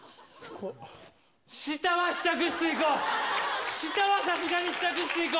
下は試着室行こう。